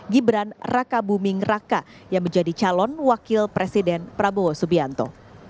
gibran raka buming raka yang menjadi calon wakil presiden prabowo subianto